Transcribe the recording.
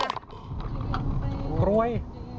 กล้วย